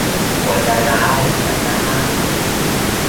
หัวใจร้าว - กันยามาส